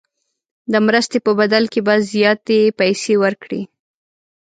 د مرستې په بدل کې به زیاتې پیسې ورکړي.